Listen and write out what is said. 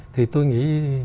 thì tôi nghĩ